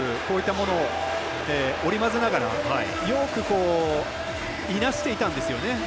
こういったものを織り交ぜながらよくいなしていたんですよね。